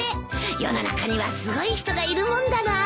世の中にはすごい人がいるもんだな。